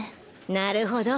なるほど。